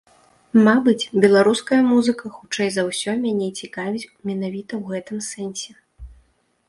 Мабыць, беларуская музыка, хутчэй за ўсё, мяне цікавіць менавіта ў гэтым сэнсе.